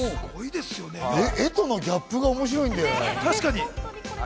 画とのギャップが面白いんだよね。